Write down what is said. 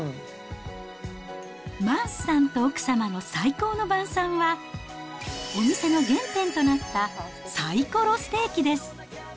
マンスさんと奥様の最高の晩さんは、お店の原点となったサイコロステーキです。